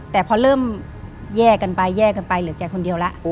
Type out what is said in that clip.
แต่พอเริ่มแย่กันไปหรือแกคนเดียวล่ะ